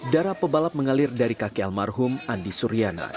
darah pebalap mengalir dari kaki almarhum andi suryana